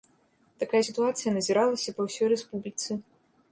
Такая сітуацыя назіралася па ўсёй рэспубліцы.